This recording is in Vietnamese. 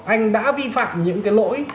anh đã vi phạm những cái lỗi